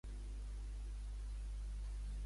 Qui foren els Inklings?